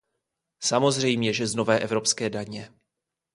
Samozřejmě, že z nové evropské daně!